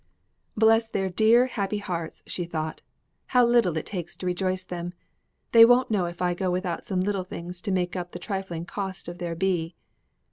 "Bless their dear, happy hearts!" she thought. "How little it takes to rejoice them. They won't know if I go without some little things to make up the trifling cost of their bee."